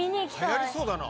流行りそうだな。